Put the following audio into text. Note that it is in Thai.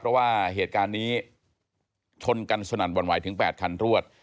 เพราะว่าเหตุการณ์นี้ชนกันสนั่นหวั่นไหวถึง๘คันรวด